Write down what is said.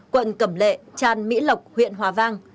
quận cẩm lệ tràn mỹ lộc huyện hòa vang